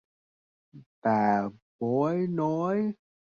Bà bói nói